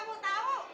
kan juga jibro